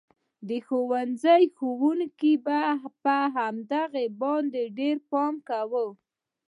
د ښوونځي ښوونکي به په هغه باندې ډېر پام کوي